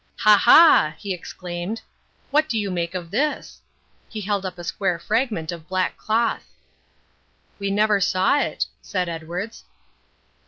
"Ha ha!" he exclaimed. "What do you make of this?" He held up a square fragment of black cloth. "We never saw it," said Edwards.